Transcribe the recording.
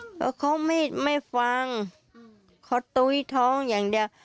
ไม่ได้บอกหรออย่าทั้งอย่าทั้งเขาไม่ฟังเขาตุ้ยท้องอย่างเดียว